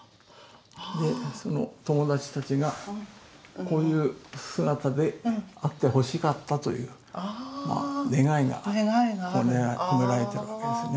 その友達たちがこういう姿であってほしかったという願いが込められてるわけですね。